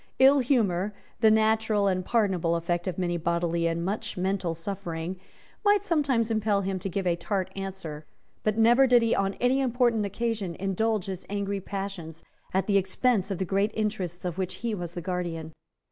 Ill humour, the natural and pardonable effect of much bodily and much mental suffering, might sometimes impel him to give a tart answer. But never did he on any important occasion indulge his angry passions at the expense of the great interests of which he was the guardian.